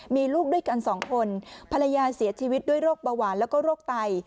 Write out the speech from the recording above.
มีลูกด้วยกันสองคนภรรยาเสียชีวิตด้วยโรคเบาหวานแล้วก็โรคไต